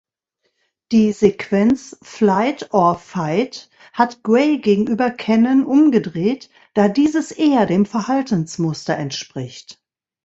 Die Sequenz "flight-or-fight" hat Gray gegenüber Cannon umgedreht, da dieses eher dem Verhaltensmuster entspricht.